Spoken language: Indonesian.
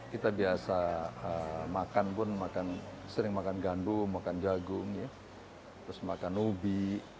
kita biasa makan pun sering makan gandum makan jagung terus makan ubi